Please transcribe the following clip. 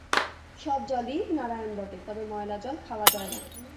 সব জলই নারায়াণ বটে, তবে ময়লা জল খাওয়া যায় না।